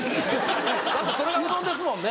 それがうどんですもんね。